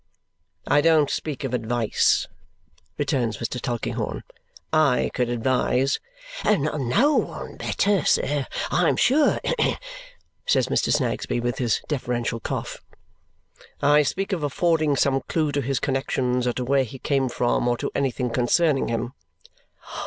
"I don't speak of advice," returns Mr. Tulkinghorn. "I could advise " "No one better, sir, I am sure," says Mr. Snagsby, with his deferential cough. "I speak of affording some clue to his connexions, or to where he came from, or to anything concerning him."